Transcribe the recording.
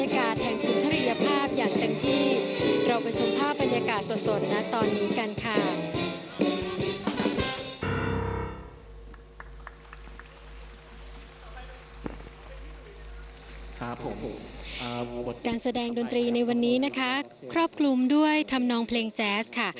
การแสดงดนตรีในวันนี้นะคะครอบคลุมด้วยธรรมนองเพลงแจ๊สค่ะ